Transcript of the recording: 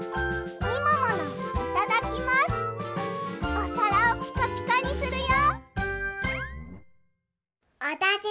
おさらをピカピカにするよ！